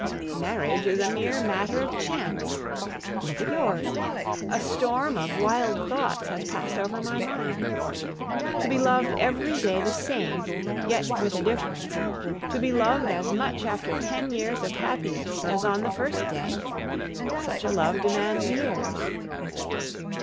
Marriage is a mere matter of chance. Look at yours. A storm of wild thoughts has passed over my mind. To be loved every day the same, yet with a difference, to be loved as much after ten years of happiness as on the first day! such a love demands years.